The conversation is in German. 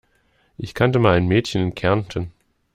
Ich kannte mal ein Mädchen in Kärnten.